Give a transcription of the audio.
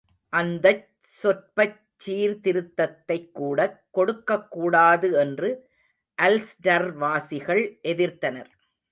அந்தச் சொற்பச் சீர்திருத்தத்தைக்கூடக் கொடுக்கக்கூடாது என்று அல்ஸ்டர்வாசிகள் எதிர்த்தனர்.